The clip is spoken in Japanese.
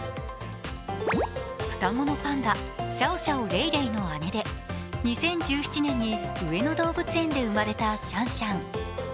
双子のパンダ、シャオシャオ・レイレイの姉で２０１７年に上野動物園で生まれたシャンシャン。